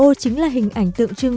bởi cửa ô chính là hình ảnh tượng trưng